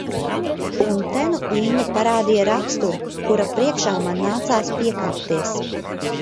Un te nu Inga parādīja raksturu, kura priekšā man nācās piekāpties.